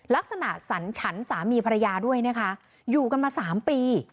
สันฉันสามีภรรยาด้วยนะคะอยู่กันมา๓ปี